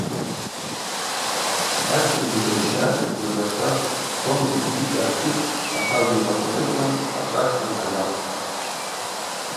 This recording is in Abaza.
Ачкӏвын йджьайщатӏ, дгвыргъьачӏватӏ, сом зыкь йджьып йгӏатихтӏ, атажв йылнапӏыцӏайцӏан ачӏвачкӏвын гӏайхвгӏатӏ.